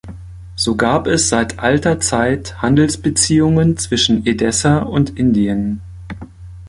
So gab es seit alter Zeit Handelsbeziehungen zwischen Edessa und Indien.